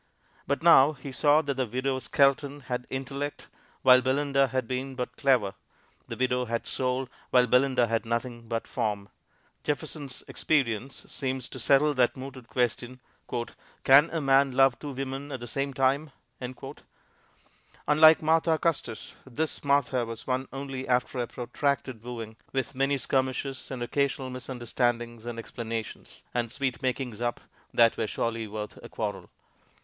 But now he saw that the widow Skelton had intellect, while Belinda had been but clever; the widow had soul, while Belinda had nothing but form. Jefferson's experience seems to settle that mooted question, "Can a man love two women at the same time?" Unlike Martha Custis, this Martha was won only after a protracted wooing, with many skirmishes and occasional misunderstandings and explanations, and sweet makings up that were surely worth a quarrel.